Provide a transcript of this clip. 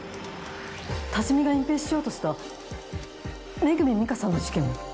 多治見が隠蔽しようとした恵美佳さんの事件も。